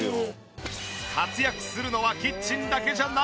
活躍するのはキッチンだけじゃない。